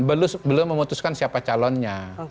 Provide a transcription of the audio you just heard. belum memutuskan siapa calonnya